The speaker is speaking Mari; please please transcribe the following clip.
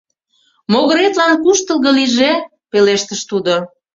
— Могыретлан куштылго лийже! — пелештыш тудо.